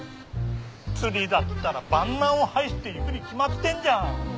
釣りだったら万難を排して行くに決まってんじゃん。